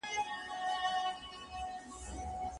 تل هڅه وکړئ چي له خپلو پخوانیو تېروتنو څخه درس واخلئ.